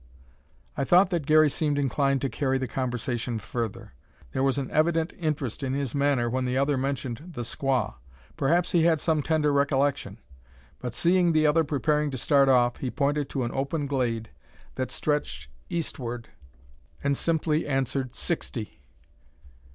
I thought that Garey seemed inclined to carry the conversation further. There was an evident interest in his manner when the other mentioned the "squaw." Perhaps he had some tender recollection; but seeing the other preparing to start off, he pointed to an open glade that stretched eastward, and simply answered, "Sixty."